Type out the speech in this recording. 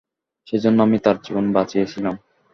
সেজন্য আমি তার জীবন বাঁচিয়েছিলাম।